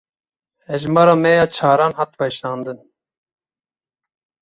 Hejmara me ya çaran hat weşandin.